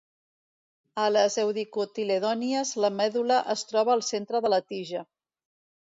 A les eudicotiledònies, la medul·la es troba al centre de la tija.